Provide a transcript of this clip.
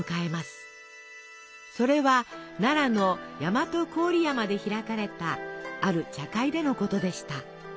それは奈良の大和郡山で開かれたある茶会でのことでした。